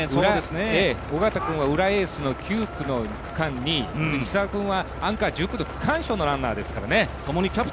緒方君は裏エースの９区に藤沢君はアンカーの区間賞のランナーですからね。